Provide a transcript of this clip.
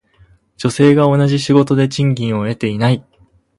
女性が同じ仕事で同じ賃金を得ていない。